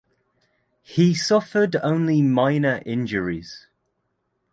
He suffered only minor injuries.